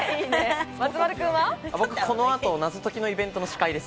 この後、謎解きのイベントの司会です。